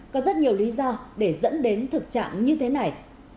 có rất nhiều lý do để dẫn đến thực trạng như thế này